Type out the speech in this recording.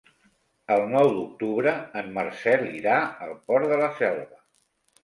El nou d'octubre en Marcel irà al Port de la Selva.